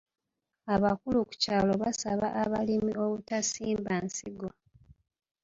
Abakulu ku kyalo baasaba abalimi obutasimba nsigo.